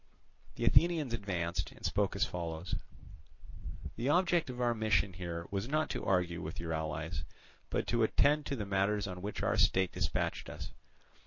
The Athenians advanced, and spoke as follows: "The object of our mission here was not to argue with your allies, but to attend to the matters on which our state dispatched us.